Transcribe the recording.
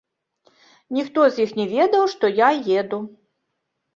Ніхто з іх не ведаў, што я еду.